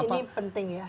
ini penting ya